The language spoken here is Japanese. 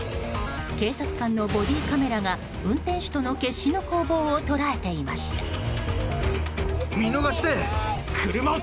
警察官のボディーカメラが運転手との決死の攻防を捉えていました。